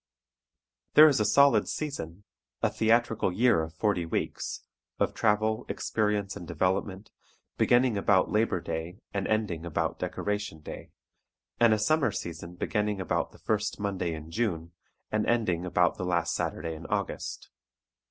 There is a solid season, a theatrical year of forty weeks, of travel, experience and development, beginning about Labor Day and ending about Decoration Day, and a summer season beginning about the first Monday in June and ending about the last Saturday in August.